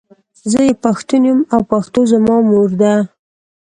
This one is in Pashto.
زۀ یو پښتون یم او پښتو زما مور ده.